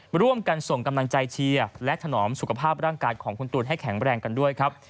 ร่วมกันส่งกำลังใจเชียร์และถนอมสุขภาพร่างกายของคุณตูนให้แข็งแรงกันด้วยครับ